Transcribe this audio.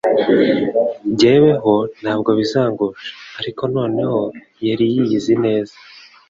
jyeweho ntabwo bizangusha.'-" Ariko noneho yari yiyizi neza